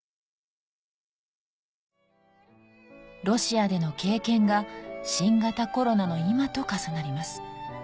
ロシアでの経験が新型コロナの今と重なります